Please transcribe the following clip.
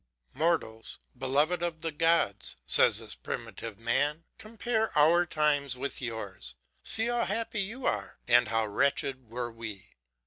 "'Mortals, beloved of the gods,' says this primitive man, 'compare our times with yours; see how happy you are, and how wretched were we.